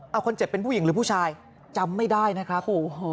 เอาคนเจ็บเป็นผู้หญิงหรือผู้ชายจำไม่ได้นะครับ